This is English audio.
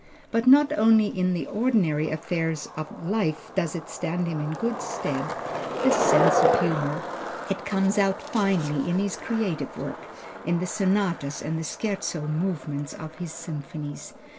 But not only in the ordinary affairs of life does it stand him in good stead, this sense of humor. It comes out finely in his creative work in the sonatas and the Scherzo movements of his symphonies.